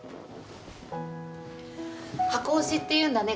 箱推しっていうんだね